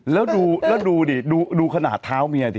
แล้วดูแล้วดูดิดูขนาดเท้าเมียดิ